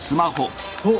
おっ。